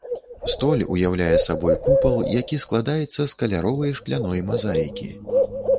Столь уяўляе сабой купал, які складаецца з каляровай шкляной мазаікі.